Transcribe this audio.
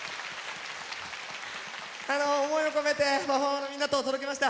思いを込めてパフォーマーのみんなと届けました。